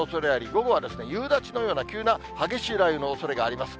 午後は夕立のような急な激しい雷雨のおそれがあります。